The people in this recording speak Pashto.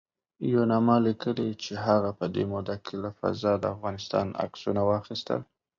یوناما لیکلي چې هغه په دې موده کې له فضا د افغانستان عکسونه واخیستل